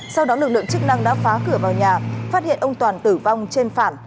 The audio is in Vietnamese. sau đó lực lượng chức năng đã phá cửa vào nhà phát hiện ông toàn tử vong trên phản